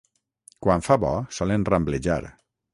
Quan fa bo solen ramblejar.